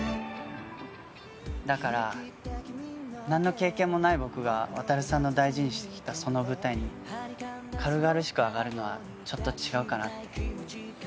だからなんの経験もない僕が渉さんの大事にしてきたその舞台に軽々しく上がるのはちょっと違うかなって。